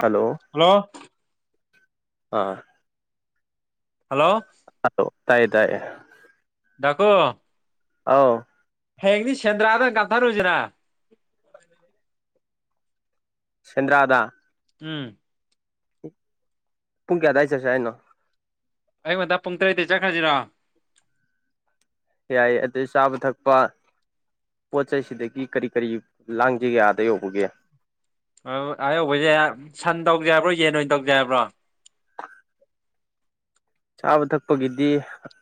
hello hello ꯑꯥ hello ꯑꯣ ꯇꯥꯏꯌꯦ ꯇꯥꯏꯌꯦ [unintelligible] ꯑꯥꯎ ꯍꯌꯦꯡꯗꯤ ꯁꯦꯟꯗ꯭ꯔꯥꯗ ꯑꯣꯏꯅ ꯀꯥꯞꯊꯔꯨꯁꯤꯅ ꯁꯦꯟꯗꯔ꯭ꯗ ꯎ ꯄꯨꯡ ꯀꯌꯥ ꯑꯗꯥꯏꯗ ꯆꯠꯁꯤ ꯍꯥꯏꯅꯣ ꯑꯌꯨꯛ ꯉꯟꯇꯥ ꯄꯨꯡ ꯇꯔꯦꯠꯇꯩ ꯆꯠꯈꯔ꯭ꯁꯤꯔꯣ ꯌꯥꯏ ꯑꯗꯩ ꯆꯥꯕ ꯊꯛꯄ ꯄꯣꯠ ꯆꯩꯩꯁꯤꯗꯒꯤ ꯀꯔꯤ ꯀꯔꯤ ꯂꯥꯡꯁꯤꯒꯦꯌꯥꯗ ꯌꯧꯕꯒꯦ ꯑꯌꯧꯕꯁꯦ ꯁꯟ ꯇꯧꯖꯕ꯭ꯔꯣ ꯌꯦꯟ ꯑꯣꯏꯅ ꯇꯧꯖꯕ꯭ꯔꯣ [unintelligible] ꯆꯥꯕ ꯊꯛꯄꯒꯤꯗꯤ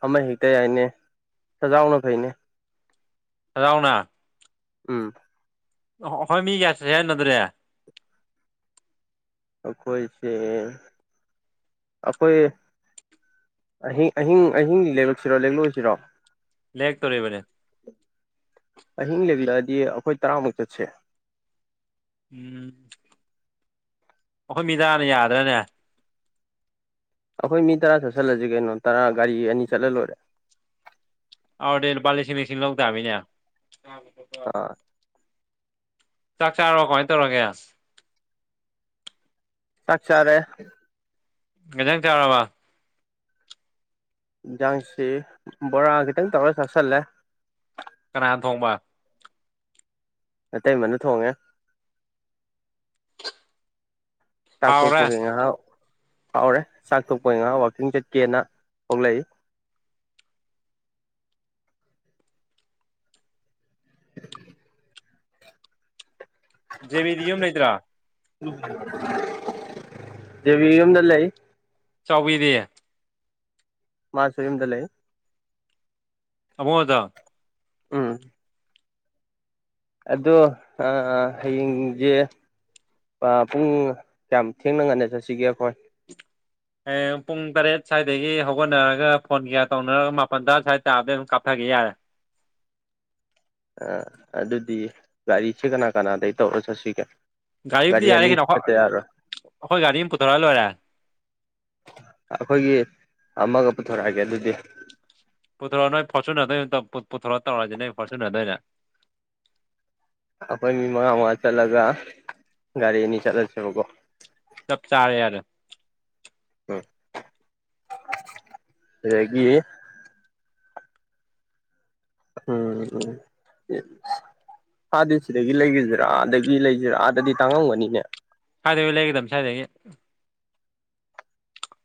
ꯑꯃ ꯍꯦꯛꯇ ꯌꯥꯏꯅꯦ ꯁꯖꯥꯎꯅ ꯐꯩꯅꯦ ꯁꯖꯥꯎꯅꯥ ꯎꯝ ꯑꯣ ꯑꯩꯈꯣꯏ ꯃꯤ ꯀꯌꯥ ꯁꯨꯔꯦ ꯍꯥꯌꯅꯣ ꯑꯗꯨꯗ ꯑꯩꯈꯣꯏꯁꯦ ꯑꯩꯈꯣꯏ ꯑꯍꯤꯡ ꯑꯍꯤꯡ ꯑꯍꯤꯡ ꯂꯩꯔꯛꯁꯤꯔꯣ ꯂꯩꯦꯛꯂꯛꯏꯁꯤꯔꯣ ꯂꯦꯦꯛ ꯇꯧꯔꯤꯕꯅꯦ ꯑꯍꯤꯡ ꯂꯦꯛꯂꯛꯑꯗꯤ ꯑꯩꯈꯣꯏ ꯇꯔꯥꯃꯨꯛ ꯆꯠꯁꯦ ꯎꯝ ꯑꯩꯈꯣꯏ ꯃꯤ ꯇꯔꯥꯅꯥ ꯌꯥꯗ꯭ꯔꯅꯦ ꯑꯩꯈꯣꯏ ꯃꯤ ꯇꯔꯥ ꯆꯠꯁꯤꯜꯂꯁꯤ ꯀꯩꯅꯣ ꯇꯔꯥ ꯒꯥꯔꯤ ꯑꯅꯤ ꯆꯠꯂ ꯂꯣꯏꯔꯦ ꯑꯗꯨꯗꯤ ꯂꯨꯄꯥ ꯂꯤꯁꯤꯡ ꯂꯤꯁꯤꯡ ꯂꯧ ꯇꯕꯅꯤꯅꯦ ꯑꯥ ꯆꯥꯛ ꯆꯥꯔꯕꯣ ꯀꯃꯥꯏꯅ ꯇꯧꯔꯒꯦ ꯆꯥꯛ ꯆꯔꯦ ꯀꯩ ꯑꯦꯟꯖꯥꯡ ꯆꯔꯕꯥ ꯌꯦꯟꯁꯥꯡꯁꯤ ꯕꯣꯔꯥ ꯈꯤꯇꯪ ꯇꯧꯔ ꯆꯥꯁꯤꯜꯂꯦ ꯀꯥꯅ ꯊꯣꯡꯕ ꯑꯇꯩ ꯃꯅ ꯊꯣꯡꯉꯦ ꯆꯥꯛ ꯍꯥꯎꯔꯦ ꯇꯣꯛꯄꯒꯤ ꯉꯥꯏꯍꯥꯛ ꯐꯥꯎꯔꯦ ꯆꯥꯛ ꯇꯣꯛꯄꯒꯤ ꯉꯍꯥꯛ ꯋꯥꯛꯀꯤꯡ ꯆꯠꯀꯦꯅ ꯊꯣꯛꯂꯛꯏ ꯖꯦꯕꯤꯗꯤ ꯌꯨꯝ ꯂꯩꯇ꯭ꯔꯥ ꯕꯤꯌꯨꯝꯗ ꯂꯩ [unintelligible] ꯃꯥꯁꯨ ꯌꯨꯝꯗ ꯂꯩ ꯑꯃꯣꯗ ꯎꯝ ꯑꯗꯣ ꯑ ꯍꯌꯦꯡꯁꯦ ꯄꯨꯡ ꯀꯌꯥꯝ ꯊꯦꯡꯅ ꯉꯟꯅ ꯆꯠꯁꯤꯒꯦ ꯑꯩꯈꯣꯏ ꯍꯌꯦꯡ ꯄꯨꯡ ꯇꯔꯦꯠ ꯁ꯭ꯋꯥꯏꯗꯒꯤ ꯍꯧꯒꯠꯅꯔꯒ ꯐꯣꯟ ꯀꯌꯥ ꯇꯧꯅꯔꯒ ꯃꯥꯄꯜ ꯇꯔꯥ ꯁ꯭ꯋꯥꯏꯗ ꯇꯥꯕꯗꯩ ꯑꯗꯨꯝ ꯀꯥꯞꯊꯒꯦ ꯌꯥꯔꯦ ꯑ ꯑꯗꯨꯗꯤ ꯒꯥꯔꯤꯁꯦ ꯀꯅꯥ ꯀꯅꯥꯗꯩ ꯇꯧꯔ ꯆꯠꯁꯤꯒꯦ ꯒꯥꯔꯤ ꯑꯝꯗꯤ ꯌꯥꯔꯦ ꯑꯅꯤ ꯀꯔꯤꯅꯣ ꯆꯠꯇ ꯌꯥꯔꯣꯏ ꯑꯩꯈꯣꯏ ꯒꯥꯔꯤ ꯑꯃ ꯄꯨꯊꯣꯔꯛ ꯂꯣꯏꯔꯦ ꯑꯩꯈꯣꯏꯒꯤ ꯑꯃꯒ ꯄꯨꯊꯣꯔꯛꯑꯒꯦ ꯑꯗꯨꯗꯤ ꯄꯨꯊꯣꯔꯛꯑꯣ ꯅꯣꯏ ꯐꯣꯔꯆꯨꯅꯔꯗꯨ ꯑꯣꯏꯅ ꯄꯨꯊꯣꯔꯛꯑꯣ ꯇꯧꯔ꯭ꯁꯤꯅꯦ ꯐꯣꯔꯆꯨꯅꯔꯗ ꯑꯣꯏꯅ ꯑꯩꯈꯣꯏ ꯃꯤ ꯃꯉꯥ ꯃꯉꯥ ꯆꯠꯂꯒ ꯒꯥꯔꯤ ꯑꯅꯤ ꯆꯠꯂꯁꯦꯕꯀꯣ ꯆꯞ ꯆꯥꯔꯦ ꯌꯥꯔ ꯎꯝ ꯑꯗꯨꯗꯒꯤ ꯎꯝ ꯑꯥꯗꯤ ꯁꯤꯗꯒꯤ ꯂꯩꯈꯤꯁꯤꯔꯥ ꯑꯗꯒꯤ ꯂꯩꯁꯤꯔꯥ ꯑꯥꯗꯗꯤ ꯇꯥꯡꯉꯝꯒꯅꯤꯅꯦ ꯁꯋꯥꯗ ꯂꯩꯒꯗꯕ ꯁꯋꯥꯗꯗꯒꯤ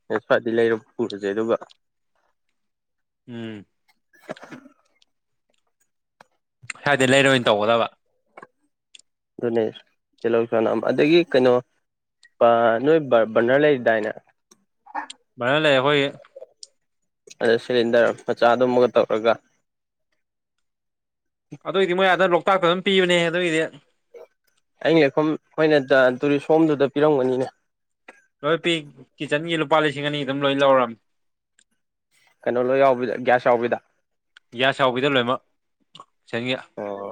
[unintelligible] ꯂꯩꯔ ꯄꯨꯔꯁꯦ ꯑꯗꯨꯒ ꯎꯝ [unintelligible] ꯁꯗꯤ ꯂꯩꯔꯣꯏ ꯑꯣꯏꯅ ꯇꯧꯒꯗꯕ ꯑꯗꯨꯅꯦ ꯇꯤꯍꯧꯅ ꯑꯗꯒꯤ ꯀꯩꯅꯣ ꯅꯣꯏꯕ ꯕꯔꯅꯔ ꯂꯩꯔꯤꯗꯥꯏꯅꯦ [unintelligible] ꯑꯗ ꯁꯤꯂꯤꯟꯗꯔ ꯃꯆꯥꯗꯨꯃꯒ ꯇꯧꯔꯒ ꯑꯗꯨꯑꯣꯏꯗꯤ ꯃꯣꯏ ꯑꯗꯅ ꯂꯣꯛꯇꯥꯛꯇ ꯑꯗꯨꯝ ꯄꯤꯕꯅꯦ ꯑꯗꯨꯑꯣꯏꯗꯤ ꯑꯩꯅ ꯂꯦꯛꯐꯥꯝ ꯑꯩꯈꯣꯏꯅ ꯇꯨꯔꯤꯁ ꯍꯣꯝꯗꯨꯗ ꯄꯤꯔꯝꯒꯅꯤꯅꯦ ꯂꯣꯏ ꯄꯤꯛ ꯀꯤꯠꯆꯟꯒꯤ ꯂꯨꯄꯥ ꯂꯤꯁꯤꯡ ꯑꯅꯤ ꯑꯗꯨꯝ ꯂꯣꯏ ꯂꯧꯔꯝꯃꯦ ꯀꯩꯅꯣ ꯂꯣ ꯌꯥꯎꯕꯤꯗ ꯒ꯭ꯌꯥꯁ ꯌꯥꯎꯕꯤꯗ ꯒ꯭ꯌꯥꯁ ꯍꯥꯎꯕꯤꯗ ꯂꯣꯏꯅꯃꯛ ꯆꯟꯒ ꯑꯣ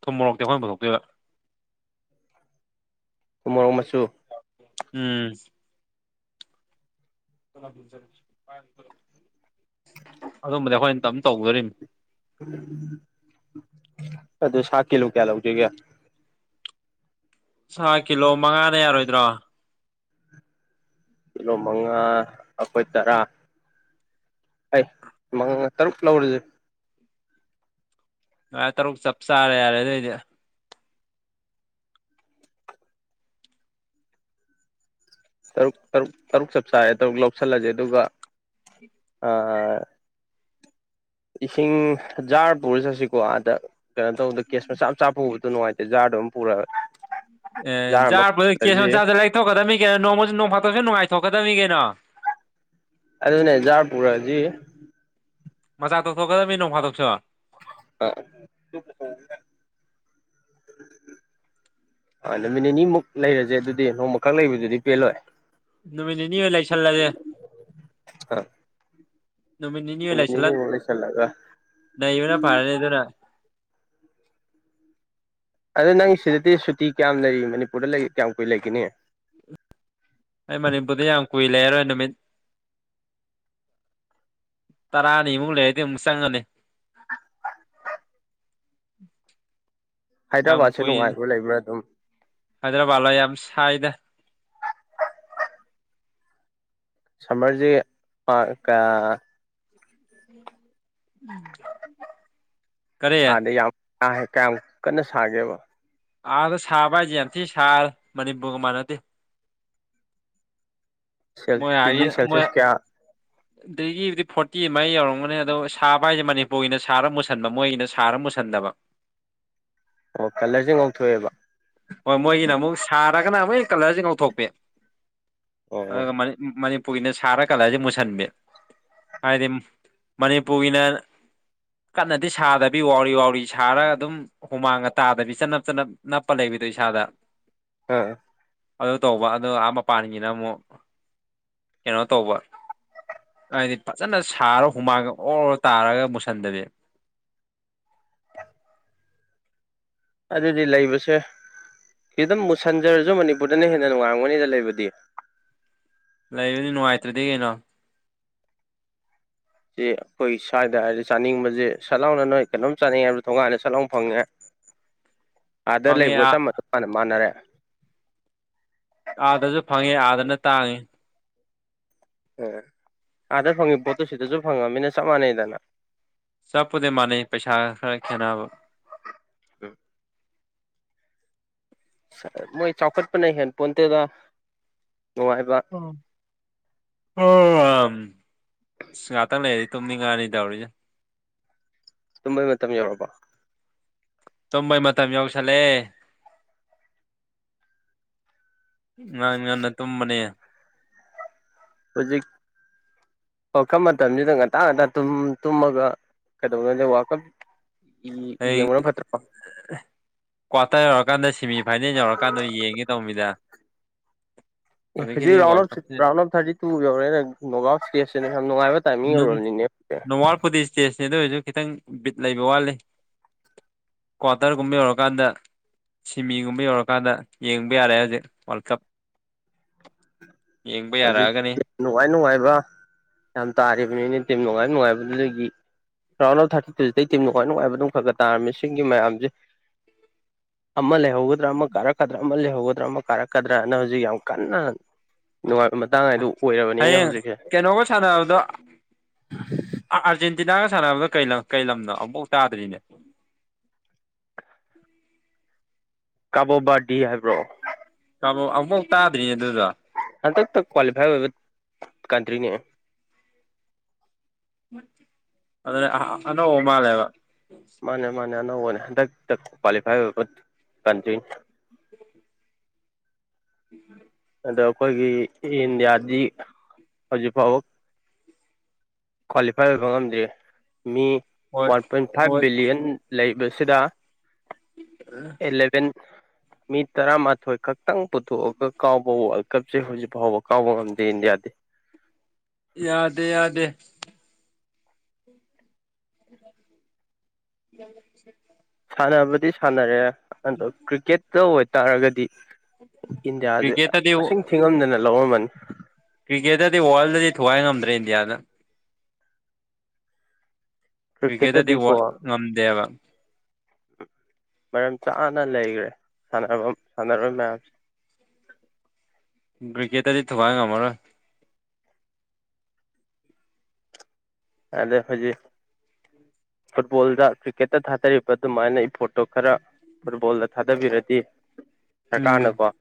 ꯊꯨꯝ ꯃꯣꯔꯣꯛꯇꯤ ꯑꯈꯣꯏꯅ ꯄꯨꯊꯣꯛꯇꯦꯕ ꯃꯣꯔꯣꯡ ꯑꯃꯁꯆꯨ ꯎꯝ ꯑꯝꯕꯗꯤ ꯑꯩꯈꯣꯏꯅꯇꯝ ꯇꯧꯗꯣꯔꯤꯅꯤ ꯑꯗꯣ ꯁꯥꯀꯤꯂꯣ ꯀꯌꯥ ꯂꯧꯖꯦꯒꯌꯥ ꯁꯥ ꯀꯤꯂꯣ ꯃꯉꯥꯅ ꯌꯥꯔꯣꯏꯗ꯭ꯔꯣ ꯀꯤꯂꯣ ꯃꯉꯥ ꯑꯩꯈꯣꯏ ꯇꯔꯥ ꯑꯩ ꯃꯉꯥ ꯇꯔꯨꯛ ꯂꯧꯔꯁꯦ ꯉꯥ ꯇꯔꯨꯛ ꯆꯞ ꯆꯥꯔꯦ ꯌꯥꯔꯦ ꯑꯗꯨꯏꯗꯤ ꯨ [unintelligible] ꯇꯔꯨꯛ ꯆꯞ ꯆꯥ ꯇꯔꯨꯛ ꯂꯧꯁꯤꯜꯂꯁꯦ ꯑꯗꯨꯒ ꯑ ꯏꯁꯤꯡꯖꯥꯔ ꯄꯨꯔ ꯆꯠꯁꯤꯀꯣ ꯑꯥꯗ ꯀꯩꯅꯣ ꯇꯧꯕꯗ ꯀꯦꯁ ꯃꯆꯥ ꯃꯆꯥ ꯄꯨꯕꯗꯣ ꯅꯨꯡꯉꯥꯏꯇꯦꯖꯥꯔꯗ ꯑꯗꯨꯝ ꯄꯨꯔ [unintelligible] ꯑꯗꯨꯅꯦ ꯖꯥꯔ ꯄꯨꯔꯖꯤ ꯃꯆꯥꯥꯛ ꯇꯧꯊꯣꯛꯀꯗꯕꯅꯤ ꯅꯣꯡ ꯐꯥꯗꯣꯛꯁꫭ ꯑ [unintelligible] ꯑꯥ ꯅꯨꯃꯤꯠ ꯅꯤꯅꯤꯃꯨꯛ ꯂꯩꯔꯁꯦ ꯑꯗꯨꯗꯤ ꯅꯣꯡꯃꯈꯛ ꯂꯩꯕꯗꯨꯗꯤ ꯄꯦꯜꯂꯣꯏ ꯅꯨꯃꯤꯠ ꯅꯤꯅꯤ ꯑꯣꯏꯅ ꯂꯩꯁꯜꯂꯁꯦ ꯑꯥ ꯅꯨꯃꯤꯠ ꯅꯤꯅꯤ ꯑꯣꯏ ꯂꯥꯏꯁꯜꯂ ꯅꯤꯅꯤꯃꯨꯛ ꯂꯩꯁꯜꯂꯒ ꯅꯩꯕꯅ ꯐꯥꯔꯅꯤ ꯑꯗꯨꯅ ꯑꯗ ꯅꯪ ꯁꯤꯗꯗꯤ ꯁꯨꯇꯤ ꯀꯌꯥꯝ ꯂꯩꯔꯤ ꯃꯅꯤꯄꯨꯔꯗ ꯀꯌꯥꯝ ꯀꯨꯏ ꯂꯩꯒꯅꯤ ꯑꯩ ꯃꯅꯤꯄꯨꯔꯗ ꯌꯥꯝ ꯀꯨꯏ ꯂꯩꯔꯔꯣꯏ ꯅꯨꯃꯤꯠ ꯇꯔꯥꯅꯤ ꯑꯥꯃꯨꯛ ꯂꯩꯔꯗꯤ ꯑꯃꯨꯛ ꯆꯪꯉꯅꯤ [inaudible] ꯌꯥꯝ ꯍꯥꯏꯗ꯭ꯔꯕꯥꯠꯁꯦ ꯅꯨꯡꯉꯥꯏꯕ ꯂꯩꯕ꯭ꯔꯥ ꯑꯗꯨꯝ ꯍꯥꯏꯗ꯭ꯔꯕꯥꯗꯂ ꯌꯥꯝ ꯁꯥꯏꯗ ꯁꯝꯃꯔꯖꯤ [unintelligible] [inaudible] [unintelligible] ꯀꯔꯤ ꯑꯗꯩ ꯌꯥꯝ ꯀꯌꯥꯝ ꯀꯟꯅ ꯁꯥꯒꯦꯕ ꯑꯥꯗ ꯁꯥꯕ ꯍꯥꯏꯁꯦ ꯌꯥꯝꯊꯤ ꯁꯥꯔꯦ ꯃꯅꯤꯄꯨꯔꯒ ꯃꯥꯟꯅꯗꯦ ꯇꯤꯚꯔꯤ ꯁꯦꯜꯁꯁ ꯀꯌꯥ ꯑꯗꯨꯗꯒꯤꯗꯤ ꯐꯣꯔꯇꯤ ꯑꯃ ꯌꯧꯔꯝꯒꯅꯤ ꯑꯗꯣ ꯁꯥꯕ ꯍꯥꯏꯁꯦ ꯃꯅꯤꯄꯨꯔꯒꯤꯅ ꯁꯥꯔ ꯃꯨꯁꯟꯕ ꯃꯣꯏꯒꯤꯅ ꯁꯥꯔ ꯃꯨꯁꯟ ꯁꯟꯗꯕ ꯑꯣ ꯀꯂꯔꯁꯦ ꯉꯧꯊꯣꯛꯑꯦꯕ ꯍꯣꯏ ꯃꯣꯏꯒꯤꯅ ꯑꯃꯨꯛ ꯁꯥꯔꯒꯅ ꯃꯣꯏ ꯀꯂꯔꯁꯤ ꯉꯧꯊꯣꯛꯄꯤ ꯑꯣ ꯑꯗꯨꯒ ꯃꯅꯤꯄꯨꯔꯒꯤꯅꯥ ꯁꯔꯥ ꯀꯂꯥꯔꯁꯦ ꯃꯨ ꯁꯟ ꯍꯥꯏꯗꯤ ꯃꯅꯤꯄꯨꯔꯒꯤꯅ ꯀꯟꯅꯗꯤ ꯁꯥꯗꯕꯤ ꯋꯥꯎꯔꯤ ꯋꯥꯎꯔꯤ ꯁꯥꯔꯒ ꯑꯗꯨꯝ ꯍꯨꯃꯥꯡꯒ ꯇꯥꯗꯕꯤ ꯆꯠꯅꯞ ꯆꯅꯞ ꯅꯞꯄ ꯂꯩꯕꯤꯗꯣ ꯏꯁꯥꯗ ꯎꯝ ꯑꯗꯨ ꯇꯧꯕ ꯑꯗꯨ ꯑꯥ ꯃꯄꯥꯟꯁꯤꯅ ꯑꯃꯨꯛ ꯀꯩꯅꯣ ꯇꯧꯕ ꯍꯥꯏꯗꯤ ꯐꯖꯅ ꯁꯥꯔ ꯍꯨꯃꯥꯡꯒ ꯑꯣꯔ ꯑꯣꯔ ꯇꯥꯔꯒ ꯃꯨꯁꯟꯗꯕꯤ ꯑꯗꯨꯗꯤ ꯂꯩꯕꯁꯦ ꯈꯤꯇꯪ ꯃꯨꯁꯟꯖꯔꯁꯨ ꯃꯅꯤꯄꯨꯔꯗꯅ ꯍꯦꯟꯅ ꯅꯨꯡꯉꯡꯒꯅꯤꯗ ꯂꯩꯕꯗꯤ ꯂꯩꯕꯗꯤ ꯅꯨꯡꯉꯥꯏꯇ꯭ꯔꯗꯤ ꯀꯩꯅꯣ ꯁꯤ ꯑꯩꯈꯣꯏ ꯁ꯭ꯋꯥꯏꯗ ꯍꯥꯏꯔꯗꯤ ꯆꯥꯅꯤꯡꯕꯁꯦ ꯁꯠ ꯂꯥꯎꯅ ꯅꯣꯏ ꯀꯩꯅꯣꯝ ꯆꯥꯅꯤꯡꯉꯦ ꯍꯥꯏꯕ ꯊꯣꯡꯒꯥꯏꯅ ꯁꯠꯂꯥꯎꯅ ꯐꯪꯉꯦ [unintelligible] ꯑꯥꯗ ꯂꯩꯕꯒ ꯑꯥ ꯆꯞ ꯆꯞ ꯃꯥꯟꯅ ꯃꯥꯟꯅꯔꯦ ꯑꯥꯗꯁꯨ ꯐꯪꯉꯦ ꯑꯥꯗꯅ ꯇꯥꯡꯉꯦ ꯎ ꯑꯥꯗ ꯐꯪꯉꯤ ꯄꯣꯠꯇꯨ ꯁꯤꯗꯁꯨ ꯐꯪꯉꯃꯤꯅ ꯆꯞ ꯃꯥꯟꯅꯩꯗꯅ ꯆꯞꯄꯨꯗꯤꯩ ꯃꯥꯟꯅꯩ ꯄꯩꯁꯥ ꯈꯔ ꯈꯦꯠꯅꯕ [inaudible] ꯃꯣꯏ ꯆꯥꯎꯈꯠꯄꯅ ꯍꯦꯟꯐꯣꯟꯇꯗ ꯅꯨꯡꯉꯥꯏꯕ ꯑꯣ ꯑꯝ ꯑ ꯉꯍꯥꯛꯇꯪ ꯂꯩꯔꯗꯤ ꯇꯨꯝꯅꯤꯡ ꯉꯉꯥꯅꯤ ꯇꯧꯔꯤꯁꯦ ꯇꯨꯝꯕꯩ ꯃꯇꯝ ꯌꯧꯔꯕꯣ ꯇꯨꯝꯝꯕꯩ ꯃꯇꯝ ꯌꯎꯁꯜꯂꯦ ꯉꯥꯟ ꯉꯟꯅ ꯇꯨꯝꯕꯅꯦ ꯍꯧꯖꯤꯛ ꯄꯈꯜ ꯃꯇꯝꯁꯤꯗ ꯉꯇꯥ ꯉꯟꯇꯥ ꯇꯨꯝꯃꯒ ꯀꯩꯗꯧꯅꯗꯦ ꯋꯥꯀꯞ ꯑꯩ [unintelligible] ꯀ꯭ꯋꯥꯇꯔ ꯌꯧꯔꯀꯥꯟꯗ ꯁꯦꯃꯤ ꯐꯥꯏꯅꯦꯜ ꯌꯧꯔꯀꯥꯟꯗ ꯌꯦꯡꯒꯦ ꯇꯧꯕꯅꯤꯗ ꯑꯦ ꯍꯧꯖꯤꯛ ꯔꯥꯎꯟ ꯋꯥꯔꯜ ꯑꯣꯐ ꯀꯞꯁꯦ ꯔꯥꯎꯟ ꯑꯣꯐ ꯊꯥꯔꯇꯤ ꯇꯨ ꯌꯧꯔꯦ ꯅꯣꯒꯥꯎ ꯏꯁꯇꯦꯁꯤꯅ ꯌꯥꯝ ꯅꯨꯡꯉꯥꯏꯕ ꯇꯥꯏꯃꯤꯡ ꯌꯧꯔꯕꯅꯤꯅꯦ ꯍꯧꯖꯤꯛ ꯅꯋꯥꯔꯄꯨꯗꯤ ꯏꯁꯇꯦꯖꯅꯦ ꯑꯗꯨ ꯑꯣꯏꯔꯁꯨ ꯈꯤꯇꯪ ꯕꯤꯠ ꯂꯩꯕ ꯋꯥꯠꯂꯤ ꯀ꯭ꯋꯥꯇꯔꯒꯨꯝꯕ ꯌꯧꯔꯀꯥꯟꯗ ꯁꯤꯃꯤꯒꯨꯝꯕ ꯌꯧꯔꯀꯥꯟꯗ ꯌꯦꯡꯕ ꯌꯥꯔꯦ ꯍꯧꯖꯤꯛ ꯋꯥꯔꯜ ꯀꯞ [inaudible] ꯌꯦꯡꯕ ꯍꯧꯖꯤꯛ ꯌꯥꯔꯛꯑꯒꯅꯤ ꯅꯨꯡꯉꯥꯏ ꯅꯨꯡꯉꯥꯏꯕ ꯌꯥꯝ ꯇꯥꯔꯤꯕꯅꯤꯅ ꯇꯤ ꯅꯨꯡꯉꯥꯏ ꯅꯨꯡꯉꯥꯏꯕꯗꯨꯗꯒꯤ ꯔꯥꯎꯟ ꯑꯥꯎꯐ ꯊꯥꯔꯇꯤ ꯇꯨꯁꯤꯗ ꯇꯝ ꯅꯨꯡꯉ ꯅꯨꯡꯥꯏꯕ ꯑꯗꯨꯝ ꯈꯔ ꯇꯥꯔꯝꯃꯤꯁꯤꯡꯒꯤ ꯃꯌꯥꯝꯁꯦ ꯑꯃ ꯂꯩꯍꯧꯒꯗ꯭ꯔꯥ ꯑꯃ ꯀꯥꯔꯛꯀꯗ꯭ꯔꯥ ꯑꯃ ꯂꯩꯍꯧꯒꯗ꯭ꯔꯥ ꯑꯃ ꯀꯥꯔꯛꯀꯗ꯭ꯔꯥꯅ ꯍꯧꯖꯤꯛ ꯌꯥꯝ ꯀꯟꯅ ꯅꯨꯡꯉꯥꯏ ꯃꯇꯥꯡ ꯍꯥꯏꯗꯨ ꯑꯣꯏꯔꯕꯅꯤꯅꯦ ꯍꯌꯦꯡ ꯍꯧꯖꯤꯛꯁꯦ ꯀꯩꯅꯣꯒ ꯁꯥꯟꯅꯕꯗꯣ ꯑꯥꯔꯖꯦꯟꯇꯤꯅꯥꯒ ꯁꯥꯟꯅꯕꯗꯣ ꯀꯩ ꯂꯝꯅꯣ ꯑꯃꯨꯐꯥꯎ ꯇꯥꯗ꯭ꯔꯤꯅꯦ ꯀꯥꯕꯣꯕꯥꯗꯤ ꯍꯥꯏꯕ꯭ꯔꯣ ꯀ ꯑꯃꯨꯛꯐꯥꯎ ꯇꯥꯗ꯭ꯔꯤꯅꯦ ꯑꯗꯨꯗ ꯍꯟꯗꯛꯇ ꯀ꯭ꯋꯥꯂꯤꯐꯥꯏ ꯑꯣꯏꯕ ꯀꯟꯇ꯭ꯔꯤꯅꯦ ꯑꯗꯨꯅꯦ ꯑꯅꯧꯕꯥ ꯃꯜꯂꯦꯕꯥ ꯃꯥꯅꯦ ꯃꯥꯅꯦ ꯑꯅꯧꯕꯅꯦ ꯍꯟꯗꯛꯇ ꯀ꯭ꯋꯥꯂꯤꯐꯥꯏ ꯑꯣꯏꯕ ꯀꯟꯇ꯭ꯔꯤꯅꯤ [inaudible] ꯑꯗꯣ ꯑꯩꯈꯣꯏꯒꯤ ꯏꯟꯗꯤꯌꯥꯗꯤ ꯍꯧꯖꯤꯛꯐꯥꯎꯕ ꯀ꯭ꯋꯥꯂꯤꯐꯥꯏ ꯑꯣꯏꯕ ꯉꯝꯗ꯭ꯦ ꯃꯤ ꯍꯣꯏ ꯋꯥꯟ ꯄꯣꯏꯟ ꯐꯥꯏꯚ ꯍꯣꯏ ꯕꯤꯂꯤꯌꯟ ꯂꯩꯕꯁꯤꯗ ꯑꯦꯂꯚꯦꯟ ꯃꯤ ꯇꯔꯥꯃꯥꯊꯣꯏ ꯈꯛꯇꯪ ꯄꯨꯊꯣꯛꯑꯒ ꯀꯥꯎꯕ ꯋꯥꯔꯜ ꯀꯞꯁꯦ ꯍꯧꯖꯤꯛ ꯐꯥꯎꯕ ꯀꯥꯎꯕ ꯉꯝꯗꯦ ꯏꯟꯗꯤꯌꯥꯗꯤ ꯌꯥꯗꯦ ꯌꯥꯗꯦ ꯌꯥ ꯁ ꯁꯥꯟꯅꯕꯗꯤ ꯁꯥꯟꯅꯔꯦ ꯑꯗꯣ ꯀ꯭ꯔꯤꯛꯀꯦꯠꯇ ꯑꯣꯏꯇꯥꯔꯒꯗꯤ ꯏꯟꯗꯤꯌꯥꯁꯦ ꯀ꯭ꯔꯤꯀꯦꯠꯇꯗꯤ ꯑ ꯊꯤꯉꯝꯗꯅ ꯂꯧꯔꯝꯃꯅꯤ ꯀ꯭ꯔꯤꯀꯦꯠꯇꯗꯤ ꯋꯥꯔꯜꯗꯗꯤ ꯊꯨꯒꯥꯏ ꯉꯝꯗ꯭ꯔꯦ ꯏꯟꯗꯤꯌꯥꯗ ꯀ꯭ꯔꯤꯀꯦꯠꯇꯗꯤ ꯀ꯭ꯔꯤꯛꯀꯦꯠꯇꯗꯤꯀꯣ ꯉꯝꯗꯦꯕ ꯃꯔꯝ ꯆꯥꯅ ꯂꯩꯈ꯭ꯔꯦ ꯁꯥꯟ ꯁꯥꯟꯅꯔꯣꯏ ꯃꯌꯥꯝꯁ ꯀꯀꯦꯇꯗꯤ ꯊꯨꯀ ꯉ ꯑꯃꯔꯣ ꯑꯗ ꯍꯧꯣꯏꯖꯤ ꯐꯨꯠꯕꯣꯜꯗ ꯀ꯭ꯔꯤꯛꯀꯦꯠꯇ ꯊꯥꯗꯔꯤꯕ ꯑꯗꯨꯃꯥꯏꯅ ꯏꯐꯣꯠꯇꯣ ꯈꯔ ꯐꯨꯠꯕꯣꯜꯗ ꯊꯥꯗꯕꯤꯔꯗꯤ ꯎꯝ ꯁꯔꯀꯥꯔꯅꯀꯣ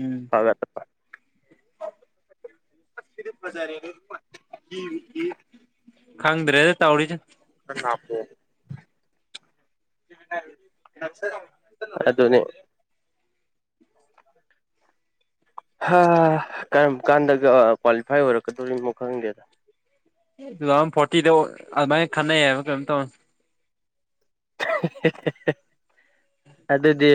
ꯎꯝ ꯐꯒꯠ ꯐꯕꯖꯔꯦꯅ ꯈꯪꯗ꯭ꯔꯦꯦ ꯇꯧ ꯆ ꯟꯅꯅꯥꯄꯣ ꯑꯗꯨ ꯑꯗꯨꯅꯦ [inaudible] [unintelligible] ꯒ ꯀꯔꯝ ꯀꯥꯟꯗꯒ ꯀ꯭ꯋꯥꯂꯤꯐꯥꯏ ꯑꯣꯏꯔꯛꯀꯗꯣꯔꯤꯅꯣ ꯈꯪꯗꯦꯗ ꯇꯨ ꯊꯥꯎꯖꯟ ꯐꯣꯔꯇꯤꯗ ꯑꯗꯨꯃꯥꯏꯅ ꯈꯟꯅꯩꯌꯦꯕ ꯀꯩꯅꯣꯝ ꯇꯧꯅꯤ ꯑꯗꯨꯗꯤ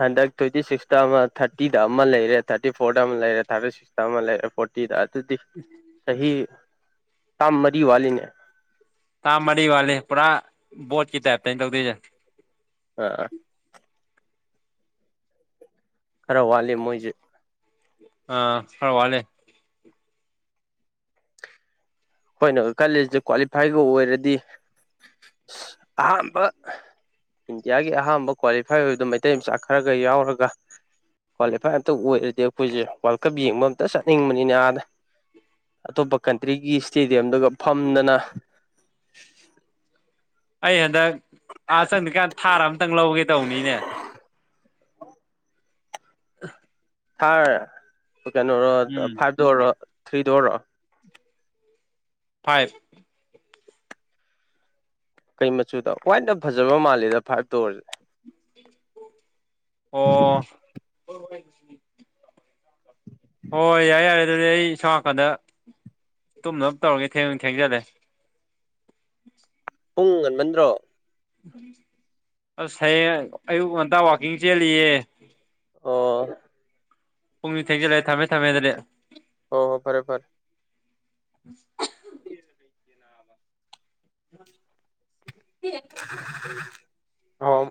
ꯍꯟꯗꯛ ꯇ꯭ꯋꯦꯟꯇꯤ ꯁꯤꯛꯁꯇ ꯑꯃ ꯊꯥꯔꯇꯤꯗ ꯑꯃ ꯂꯩꯔꯦ ꯊꯥꯔꯇꯤ ꯐꯣꯔꯗ ꯑꯃ ꯂꯩꯔꯦ ꯊꯥꯔꯇꯤ ꯑꯃꯥ ꯂꯩꯔꯦ ꯐꯣꯔꯇꯤꯗꯥ ꯑꯗꯨꯗꯤ ꯎꯝ ꯆꯍꯤꯍꯤ ꯇꯝ ꯃꯔꯤ ꯋꯥꯦꯅꯦ ꯇ ꯃꯔꯤ ꯋꯥꯦ ꯄꯨꯔꯥ ꯣꯠ ꯇ ꯇ ꯂꯖꯦ ꯑ ꯈꯔ ꯋꯥꯠꯂꯤ ꯃꯣꯏꯁꯦ ꯑ ꯍꯔ ꯋꯥꯂꯦ ꯑꯩꯈꯣꯏꯅ ꯈꯜꯂꯤꯁꯦ ꯀ꯭ꯋꯥꯂꯤꯐꯥꯏꯒ ꯑꯣꯏꯔꯗꯤ ꯑ ꯑꯍꯥꯝꯕ ꯏꯟꯗꯤꯌꯥꯒꯤ ꯑꯍꯥꯟꯕ ꯀ꯭ꯋꯥꯂꯤꯐꯥꯏ ꯑꯣꯏꯕꯗꯣ ꯃꯩꯇꯩ ꯃꯆꯥ ꯈꯔꯒ ꯌꯥꯎꯔꯒ ꯀ꯭ꯋꯥꯂꯤꯐꯥꯏ ꯑꯃꯝꯇ ꯑꯣꯏꯔꯗꯤ ꯑꯩꯈꯣꯏꯁꯦ ꯋꯥꯜ ꯀꯞ ꯌꯦꯡꯕ ꯑꯝꯇ ꯆꯠꯅꯤꯡꯕꯅꯤꯅꯦ ꯑꯥꯗ ꯑꯇꯣꯞꯄ ꯀꯟꯇ꯭ꯔꯤꯒꯤ ꯏꯁꯇꯦꯗꯤꯌꯝꯗꯨꯒ ꯐꯝꯗꯅ ꯑꯩ ꯍꯟꯗꯛ ꯑꯥ ꯆꯪꯗꯔ꯭ꯤꯀꯥꯟ ꯊꯥꯔ ꯑꯃꯇꯪ ꯂꯧꯒꯦ ꯇꯧꯕꯅꯤꯅꯦ [inaudible] ꯊꯔ ꯀꯩꯅꯣꯔꯣ ꯎꯝ ꯐꯥꯏꯗꯣꯔꯔꯣ ꯊ꯭ꯔꯤꯗꯣꯔꯔꯣ ꯐꯥꯏꯚ ꯀꯩ ꯃꯆꯨꯗ ꯋꯥꯏꯠꯅ ꯐꯖꯕ ꯃꯥꯜꯂꯦꯗ ꯐꯥꯏꯚꯇ ꯑꯣꯏꯔꯁꯨ ꯑꯣ ꯍꯣꯏ ꯍꯣꯏ ꯍꯣꯏ ꯍꯣꯏ ꯌꯥꯔꯦ ꯌꯥꯔꯦ ꯑꯗꯨꯗꯤ ꯑꯩ ꯁꯣꯝ ꯅꯥꯀꯟꯗ ꯇꯨꯝꯅꯕ ꯇꯧꯔꯒꯦ ꯊꯦꯡꯖꯨ ꯊꯦꯡꯖꯜꯂꯦ ꯄꯨꯡ ꯉꯟꯃꯟꯗ꯭ꯔꯣ ꯑꯁ ꯍꯌꯦꯡ ꯑꯌꯨꯛ ꯉꯟꯇꯥ ꯋꯥꯛꯀꯤꯡ ꯆꯦꯜꯂꯤꯌꯦ ꯑꯣ ꯄꯨꯡꯅꯤꯡ ꯊꯦꯡꯖꯤꯜꯂꯦ ꯊꯝꯃꯦ ꯊꯝꯃꯦ ꯑꯗꯨꯗꯤ ꯍꯣ ꯍꯣ ꯐꯔꯦ ꯐꯔꯦ ꯎꯝ [inaudible] [unintelligible] ꯑꯣ